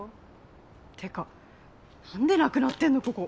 てかなんで無くなってんのここ。